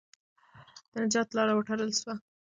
د نجات لاره وتړل سوه.